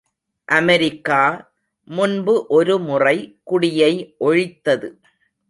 America, முன்பு ஒருமுறை குடியை ஒழித்தது.